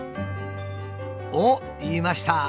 おっいました！